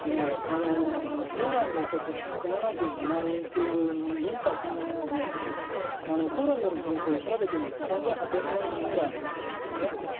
ポーランドにとっての１７２万人というインパクトはポーランドの人口、調べてみると３８００万人ぐらいなんですね。